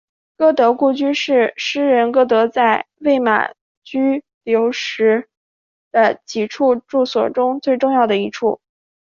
歌德故居是诗人歌德在魏玛居留时的几处住所中最重要的一处。